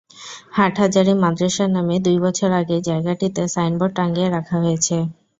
হাটহাজারী মাদ্রাসার নামে দুই বছর আগেই জায়গাটিতে সাইনবোর্ড টাঙ্গিয়ে রাখা হয়েছে।